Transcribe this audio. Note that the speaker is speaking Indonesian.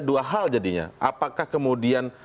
dua hal jadinya apakah kemudian